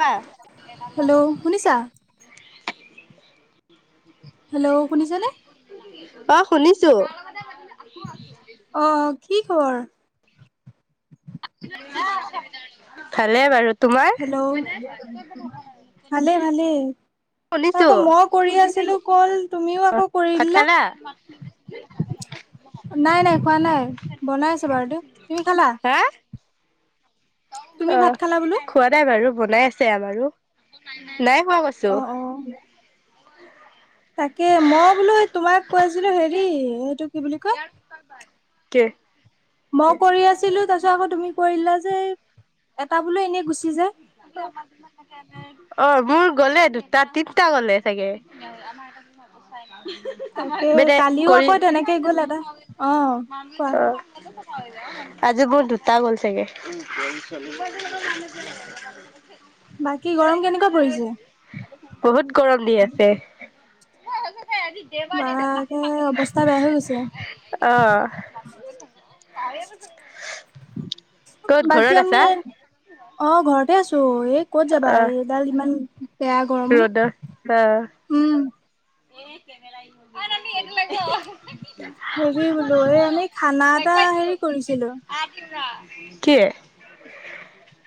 অ hello, শুনিছা? Hello শুনিছানে? অ', শুনিছোঁ। অ', কি খবৰ? ভাল। হেল্ল', ভালে ভালে। শুনিছো আকৌ মই কৰি আছিলোঁ কল, তুমিও আকৌ কৰি ভাত দিলা। খালা নাই নাই। খোৱা নাই বনাই আছে বাৰু দে। তুমি খালা? হা। তুমি ভাত অ', খালা বোলো? খোৱা নাই বাৰু বনাই আছে আমাৰো। নাই খোৱা কৈছোঁ। অ' অ' তাকে মই বোলো তোমাক কৈ আছিলোঁ, হেৰি এইটো কি বুলি কয় কে মই কৰি আছিলোঁ, তাৰ পিছত আকৌ তুমি কৰিলা যে এটা বোলো এনেই গুচি যায়। অ', মোৰ গলে দুটা-তিনটা গ'লে চাগে। [unintelligible] তাকে কালিও আকৌ তেনেকে গ'ল এটা। অ' কোৱা [unintelligible] আজি মোৰ দুটা গ'ল চাগে। বাকী গৰম কেনেকুৱা পৰিছে? বহুত গৰম দি আছে। বাকে অৱস্থা বেয়া হৈ গৈছে [unintelligible] অ'। [unintelligible] ক'ত ঘৰত বাকী আমি আছা অ', ঘৰতে আছোঁ। তো, এই ক'ত যাবা অ এইডাল ইমান বেয়া গৰমত [unintelligible] উম [unintelligible] হেৰি বোলো এই আমি খানা এটা হেৰি কৰিছিলোঁ। কি?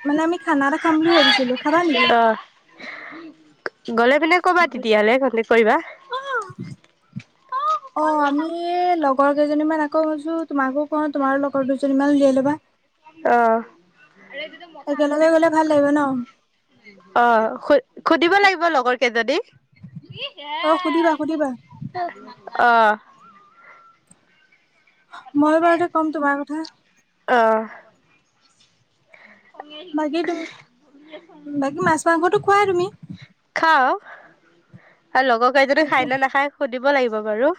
মানে আমি খানা এটা খাম বুলি ভাবিছিলোঁ, খাবা নেকি? অহ গ'লে পিনে কবা তেতিয়াহ'লে কনটেক কৰিবা। [inaudible] [unintelligible] অ', আমি লগৰ কেইজনীমান আকৌ ভাবিছোঁ, তোমাকো কওঁ তোমাৰো লগৰ দুজনী মান লৈ ল'বা। অ'। একেলগে গলে ভাল লাগিব ন অ', সুধিব লাগিব লগৰ কে যদি অ', সুধিবা সুধিবা। অ'। মই বাৰু তে ক'ম তোমাৰ কথা। অ'। বাকী তুমি বাকী মাছ মাংসটো খোৱাই তুমি খাও। আৰু লগৰ কেইজনী ঠিকে খাই নে নাখায় সুধিব লাগিব বাৰু।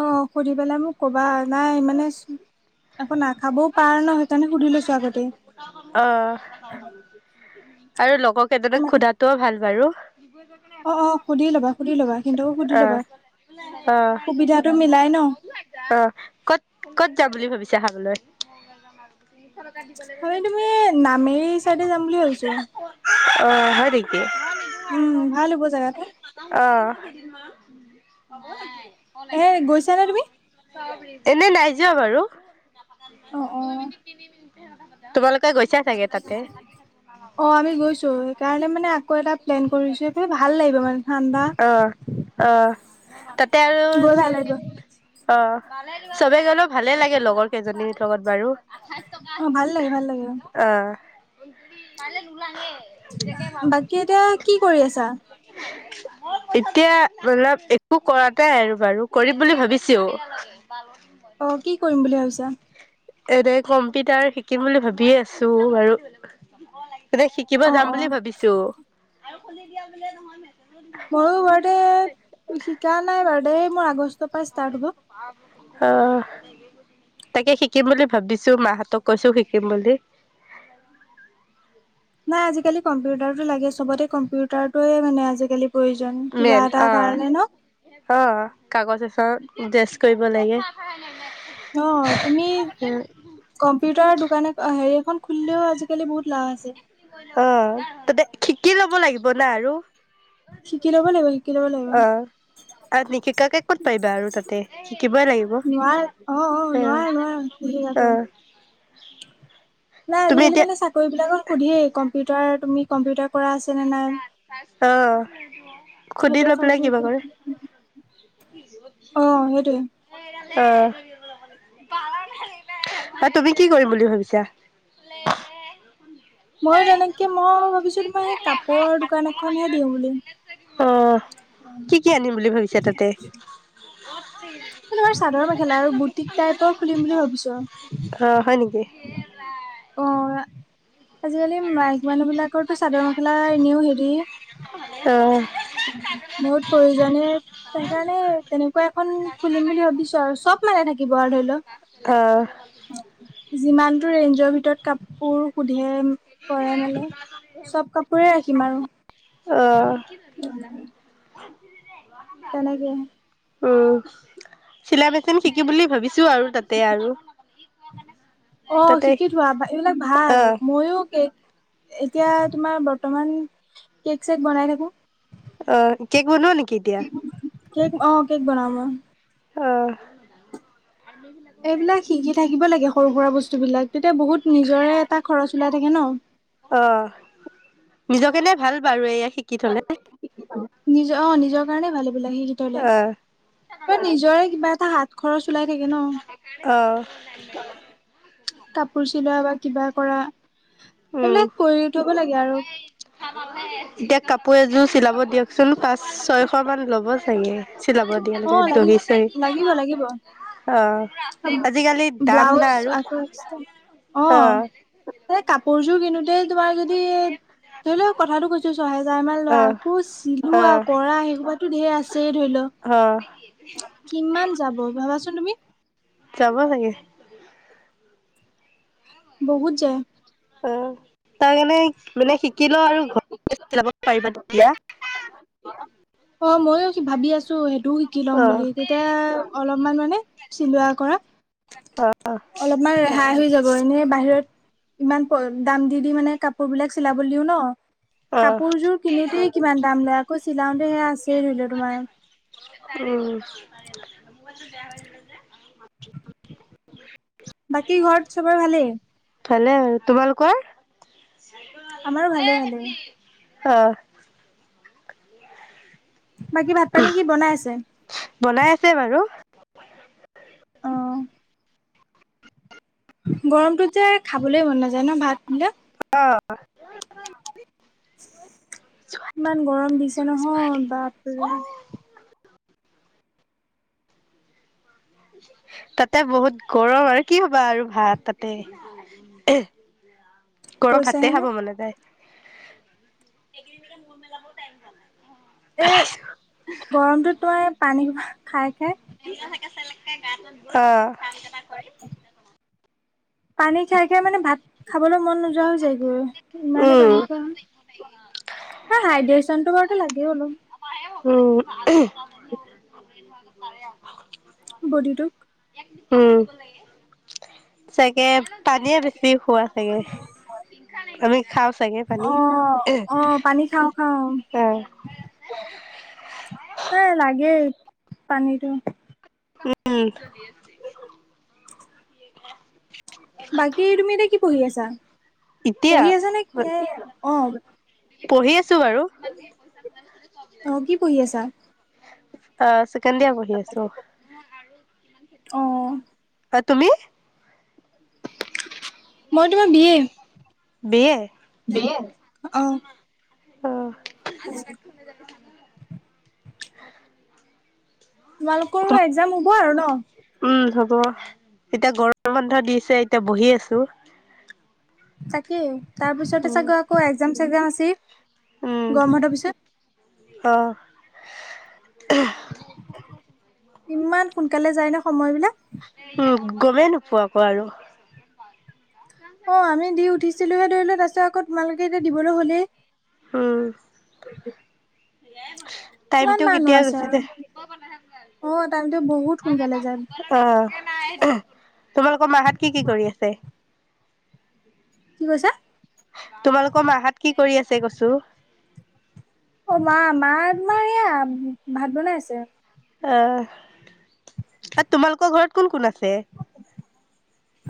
অ', সুধি পেলাই মোক কবা নাই মানে খাবও পাৰা ন সেইকাৰণে সুধি লৈছোঁ আগতে। অহ আৰু লগৰ কেইজনীক সোধাটোও ভাল বাৰু। কিন্তু সুধি অহ ল'বা সুবিধাটো মিলাই ন? অ', ‌ ক'ত ক'ত যাম বুলি ভাবিছা খাবলৈ। আমি তুমি নামেৰি চাইডে যাম বুলি ভাবিছো [unintelligible] অ', হয় নেকি? উম ভাল হ'ব জেগাটো অ'। এ গৈছানে তুমি [unintelligible] এনে নাই যোৱা বাৰু অ', অ', তোমালোকে গৈছা অ', চাগে তাতে আমি গৈছোঁ, সেইকাৰণে মানে আকৌ এটাত প্লেন কৰিছোঁ, সেইকাৰণে ভাল লাগিব মানে। ঠাণ্ডা অ', অ', তাতে আৰু গৈ ভাল লাগিব অ' চবে গ'লেও ভালে লাগে লগৰ কেইজনীৰ লগত বাৰু। আঠাইশ টকা অ', ভাল লাগে ভাল লাগে অ'। বাকী এতিয়া কি কৰি আছা [unintelligible] এতিয়া অলপ একো কৰা নাই আৰু বাৰু কৰিম বুলি ভাবিছোঁ। অ', কি কৰিম বুলি [unintelligible] ভাবিছা এনে কম্পিউটাৰ শিকিম বুলি ভাবিয়ে আছোঁ বাৰু। এতিয়া শিকিব অ', যাম অ', বুলি ভাবিছোঁ। ময়োও এইবাৰতে শিকা নাই বাৰ্ডে মোৰ আগষ্টৰ পৰা ষ্টাৰ্ট হ'ব। অ'। তাকে শিকিম বুলি ভাবিছোঁ, মাহঁতক কৈছো শিকিম বুলি। নাই আজিকালি কম্পিউটাৰটো লাগে চবতে কম্পিউটাৰটোয়ে মানে আজিকালি প্ৰয়োজন কিবা মেইন এটা অ'। কাৰণে ন। অ কাগজ [unintelligible] ডেষ্ট কৰিব লাগে। অ', তুমি কম্পিউটাৰ দোকানে হেৰি এখন খুলিলেও আজিকালি বহুত লাভ আছে। অ', তাতে শিকি ল'ব লাগিব না আৰু। শিকি ল'ব লাগিব, শিকি ল'ব লাগিব। অ। আৰু নিশিকাকে ক'ত পাৰিবা আৰু তাতে শিকিবই লাগিব অ'। সি অ। আছে। নাই তুমি আজিকালি এতিয়া মানে চাকৰিবিলাকত সুধেই কম্পিউটাৰ, তুমি কম্পিউটাৰ কৰা আছে নে নাই? অ', সুধি সেইটোৱে লৈ পেলাই ফাৰ্ষ্ট কিবা কৰে। অ', সেইটোৱেই। অ'। বা তুমি কি কৰিম বুলি ভাবিছা? ময়ো তেনেকে মই ভাবিছোঁ তোমাৰ সেই কাপোৰৰ দোকান এখনহে দিওঁ বুলি। অহ, কি কি আনিম বুলি ভাবিছা তাতে? ম‌ই তোমাৰ চাদৰ মেখেলা আৰু বুটিক টাইপৰ খুলিম বুলি ভাবিছোঁ আৰু। অ', হয় নেকি? অ'। আজিকালি মাইকী মানুহ বিলাকৰতো চাদৰ মেখেলা এনেও হেৰি অ। বহুত প্ৰয়োজনে সেইকাৰণে তেনেকুৱা এখন খুলিম বুলি ভাবিছোঁ আৰু চব। মানে থাকিব আৰু ধৰি লওক। অ'। যিমানটো ৰেঞ্জৰ ভিতৰত কাপোৰ সুধে কৰে মেলে চব কাপোৰেই ৰাখিম আৰু। অ'। তেনেকে উম, চিলাই মেচিন শিকিম বুলি ভাবিছোঁ আৰু তাতে আৰু। অ', তাতে শিকি থোৱা এইবিলাক অ ভাল মইও কেক, এতিয়া তোমাৰ বৰ্তমান কেক চেক বনাই থাকোঁ। অ', কেক বনোৱা নেকি এতিয়া? কেক অ কেক বনাও মই অ'। এইবিলাক শিকি থাকিব লাগে সৰু সুৰা বস্তু বিলাক তেতিয়া বহুত নিজৰে এটা খৰচ ওলাই। থাকে ন? অ', নিজকেনে ভাল বাৰু এয়া শিকি থ'লে নিজৰ অ', নিজৰ কাৰণে ভালবিলাক সেই গতলে অ ত নিজৰে কিবা এটা হাত খৰচ ওলাই থাকে ন আ কাপোৰ চিলোৱা বা কিবা কৰা, উম এইবিলাক কৰি থ'ব লাগে আৰু [unintelligible] কাপোৰ এযোৰ চিলাব দিয়কচোন, পাঁচ ছয়শ মান ল'ব চাগে, চিলাব দিয়া অ লাগিব দহি চ লাগিব লাগিব। অ', আজিকালি দাম না ব্লাউজ আৰু আকৌ এক্সট্ৰা অ'। কাপোৰযোৰ কিনোতে তোমাৰ যদি, এ, ধৰি লওঁ কথাটো কৈছো ছয় হেজাৰ মান অ আকৌ অ চিলোৱা কৰা, সেইসোপাতো ধেৰ আছে ধৰি ল অ কিমান যাব ভাবাচোন তুমি। যাব চাগে। বহুত যায়। অ'। তাৰ কাৰণে মানে শিকি ল আৰু ঘৰতে চিলাব পাৰিবা তেতিয়া অ', ময়ো ভাবি আছোঁ সেইটোও শিকি লম অ বুলি, তেতিয়া অলপ অলপ মান মানে চিলোৱা কৰা অ অলপমান ৰেহাই হৈ যাব এনে বাহিৰত ইমান দাম দি দি মানে কাপোৰ বিলাক চিলাব দিও ন অ কাপোৰযোৰ কিনোতেই কিমান দাম লয়, আকৌ চিলাওতে সেয়া আছেই ধৰি লও তোমাৰ উম। [inaudible] বাকী ঘৰত চবৰে ভালেই? ভালে আৰু, তোমালোকৰ? আমাৰো ভালে ভালে অ'। বাকী ভাত পানী কি বনাই আছে বনাই আছে বাৰু অ'। গৰমটোত যে খাবলৈ মন নাযায় ন, ভাত বিলাক। [unintelligible] ইমান গৰম দিছে নহয় বাপৰে। [inaudible] তাতে বহুত গৰম আৰু কি হ'বা আৰু ভাত তাতে। গৰম ভাতে কৈছাহে নে খাব মন নেযায়। একদিন মোৰ মেলাব টাইম নেপাব এ, গৰমটোত তই পানী খাই, খাই। [inaudible] অ'। পানী খাইকে মানে ভাত খাবলৈ মন নোযোৱা হৈ যায়গৈ। ইমানে উম পানী খোৱা হাইড্ৰেযনতটো বাৰুতো লাগেই অলপ। উম। বডীটোক উম, চা তে পানীয়ে বেছি খোৱা চাগে, আমি খাওঁ চাগে পানী অ', অ', পানী খাওঁ। অ', এ লাগে। পানীটো উম। বাকী তুমি এতিয়া কি পঢ়ি আছা? এতিয়া পঢ়ি আছানে, নে, অ' পঢ়ি আছ আহ, কি পঢ়ি আছা? আহ ছেকেণ্ড ইয়াৰ পঢ়ি আছো। অ'। তুমি? মই তোমাৰ বি এ। B A. অ অ', [inaudible] তোমালোকৰো এক্মাম হ'ব আৰু ন। উম, হ'ব এতিয়া গৰম বন্ধ দিছে এতিয়া বহি আছো। তাকেই তাৰপিছতে উম, চাগৈ আকৌ এক্মাম, চেগজাম আছে গৰম বন্ধৰ পিছত। আহ। ইমান সোনকালে যায় ন সময়বিলাক। উম, গমেই নোপোৱাকৌ আৰু। অ, আমি দি উঠিছিলোহে ধৰি লোৱা তাৰপিছত আকৌ তোমালোকে এতিয়া দিবলৈ হ'লেই। উম। [inaudible] কিমান টাইমটোও মানুহ কেতিয়া আছে গুচি আৰু যায়। অ টাইমটো বহুত সোনকালে যায় অ'। তোমালোকৰ মা হত কি কি কৰি আছে। কি কৈছা? তোমালোকৰ মাহত কি কৰি আছে কৈছো। অ' মা, মা তোমাৰ এয়া ভাত বনাই আছে। অ' আৰু তোমালোকৰ ঘৰত কোন কোন আছে।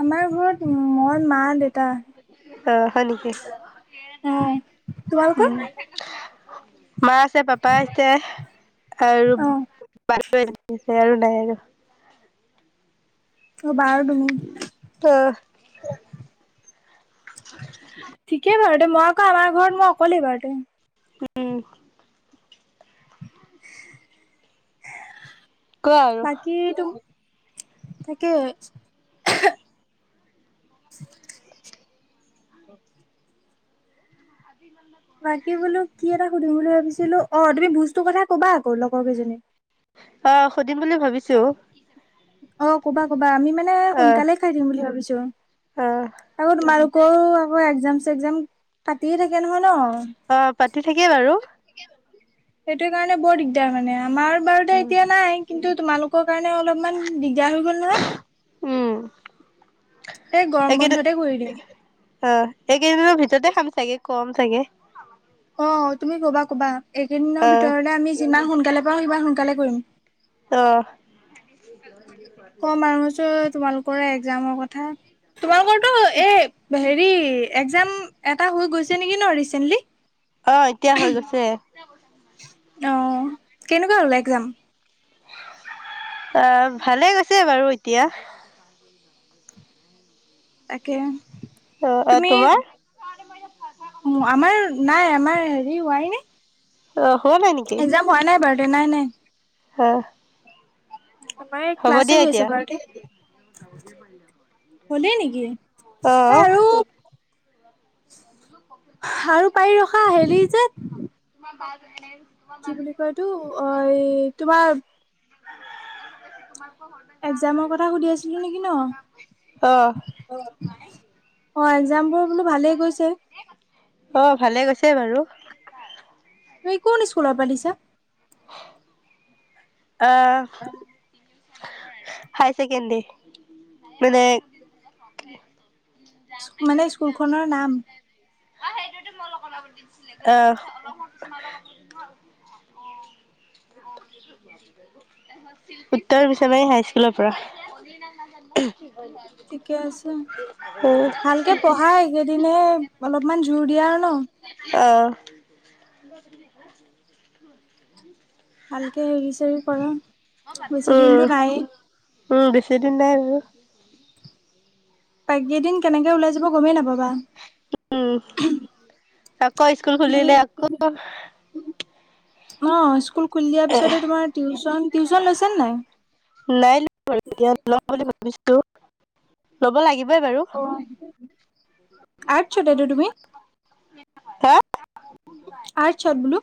আমাৰ ঘৰত মই মা দেউতা। অ', হয় নেকি? অহ' তোমালোকৰ। উম, মা আছে পাপা আছে আৰু অ [unintelligible] আৰু বাইৰু অ'বাৰ আৰু তুমি। ত [unintelligible] ঠিকেই বাৰু মই আকৌ আমাৰ ঘৰত মই অকলেই বাৰু। উম। কোৱা আৰু বাকী তো তাকে [unintelligible] আজিকালি। বাকী বোলো কি এটা সুধিম বুলি ভাবিছিলো অ' তুমি ভূজটো কথা কবা আকৌ লগৰ কেইজনীক। অ' সুধিম বুলি ভাবিছো। অ' ক'বা ক'বা আমি মানে আহ সোনকালে খাই দিম বুলি ভাবিছো। আহ আকৌ তোমালোকৰও আকৌ এক্মাম চেগজাম পাতিয়ে থাকে নহয় ন। অ' পাতি থাকে বাৰু। সেইটো কাৰণে বৰ দিগদাৰ মানে আমাৰ বাৰু উম এতিয়া নাই, কিন্তু তোমালোকক সেইটো কাৰণে অলপমান দিগদাৰ হৈ গ'ল নহয়। উম এই গৰম এইকেইদিন বন্ধতে কৰি দিম। অ' এইকেইদিনৰ ভিতৰতে খাম চাগে কম। তাকে অ' তুমি ক'বা ক'বা এইকেইদিনৰ আহ ভিতৰতে আমি যিমান সোনকালে পাওঁ সিমান সোনকালে কৰিম। অহ' ক মানুহ আছে তোমালোকৰ এক্সাম কথা। তোমালোকৰটো এই হেৰি এক্মাম এটা হৈ গৈছে নেকি ন ৰিচেন্টলি। অ' এতিয়া হৈ গৈছে। অহ, কেনেকুৱা হ'ল একজাম? অহ, ভালে গৈছে বাৰু এতিয়া। তাকে অ অ তুমি, তোমাৰ আমাৰ নাই আমাৰ হেৰি হোৱাই নাই। অহ, হোৱা নাই নেকি? এক্জাম হোৱা বাৰুতে নাই, নাই। অহ। আমাৰ ক্লাছে গৈছে এবাৰতে। হ'লেই নেকি? অহ। আৰু আৰু পাৰি ৰখা হেৰি যে [unintelligible] কি বুলি কয় এইটো অহ, তোমাৰ একজামৰ কথা সুধি আছিলোঁ নেকি ন'? অ অহ, একজামবোৰ বোলো ভালেই গৈছে। অহ, ভালে গৈছে বাৰু। তুমি কোন স্কুলৰ পৰা দিছা? অহ। হাইছেকেণ্ডাৰী, মানে মানে স্কুলখনৰ নাম? অহ, সেইটোতো মোৰ লগত কথা আছিলে। অহ। অ। [unintelligible] অহ। উত্তৰ বিশ্বানাৰী হাইস্কুলৰ পৰা। [unintelligible] ঠিকে আছে। অ', ভালকে পঢ়াই কেইদিনে অলপমান জোৰ দিয়া। ন অহ। [unintelligible] ভালকে হেৰি চেৰি কৰা, বেছি উম, দিনটো নাইয়ে। উম, বেছি দিন নাই আৰু। কেইদিন কেনেকে ওলাই যাব গমেই নাপাবা। উম, আকৌ স্কুল খুলিলে আকৌ। অহ, স্কুল খুলি দিয়াৰ পিছতে তোমাৰ টিউচন। টিউচন লৈছেনে নাই? নাই লোৱা এতিয়া লম বুলি ভাবিছোঁ লব লাগিব। অহ, আৰ্টছটেতো তুমি? হা? আৰ্টছত বোলো।